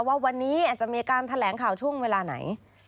ว่าวันนี้อาจจะมีการแถลงข่าวช่วงเวลาไหน